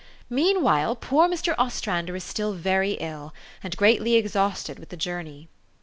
Meanwhile, poor Mr. Os trander is still very ill, and greatly exhausted with the journey."